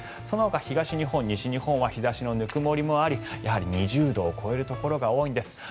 そのほか東日本、西日本は日差しのぬくもりもあり２０度を超えるところが多いんです。